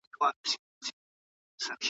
د نوي ښوونیز نظام د بودیجې سرچینې کومې دي؟